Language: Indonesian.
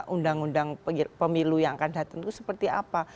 undang undang pemilu yang akan datang itu seperti apa